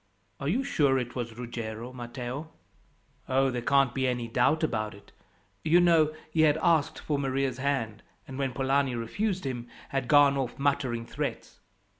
"Are you sure it was Ruggiero, Matteo?" "Oh, there can't be any doubt about it. You know, he had asked for Maria's hand, and when Polani refused him, had gone off muttering threats.